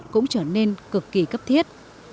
cũng trở nên cực kỳ cấp thiết